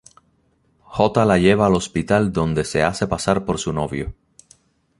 Jota la lleva al hospital donde se hace pasar por su novio.